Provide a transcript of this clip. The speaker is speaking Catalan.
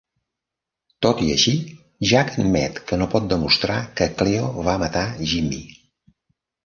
Tot i així, Jack admet que no pot demostrar que Cleo va matar Jimmy.